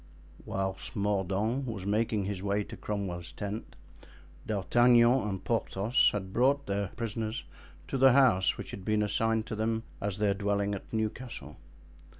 Whilst Mordaunt was making his way to Cromwell's tent, D'Artagnan and Porthos had brought their prisoners to the house which had been assigned to them as their dwelling at Newcastle.